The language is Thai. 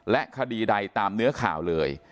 และคดีใดตามเนื้อข่าวเลย